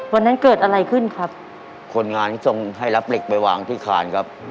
วันนั้นเกิดอะไรขึ้นครับคนงานที่ส่งให้รับเหล็กไปวางที่คานครับ